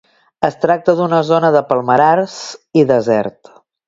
Es tracta d'una zona de palmerars i desert.